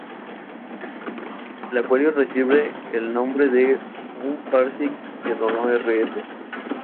El acuario recibe el nombre de un parsi que donó Rs.